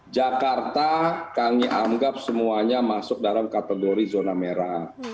jakarta kami anggap semuanya masuk dalam kategori zona merah